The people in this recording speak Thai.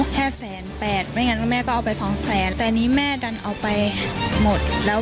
แค่แสนแปดแม่งั้นแม่ก็เอาไปสองแสนแต่ไม่ดันเอาไปหมดแล้ว